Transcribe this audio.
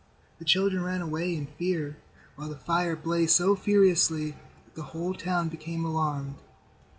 The children ran away in fear while the fire blazed so furiously that the whole town became alarmed.